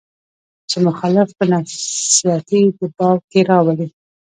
چې مخالف پۀ نفسياتي دباو کښې راولي